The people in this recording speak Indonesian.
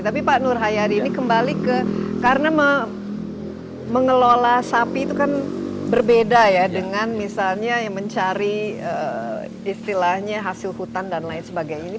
tapi pak nur hayadi ini kembali ke karena mengelola sapi itu kan berbeda ya dengan misalnya mencari istilahnya hasil hutan dan lain sebagainya